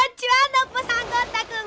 ノッポさんゴン太くん。